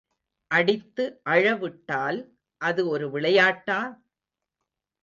அடித்து அழ விட்டால் அது ஒரு விளையாட்டா?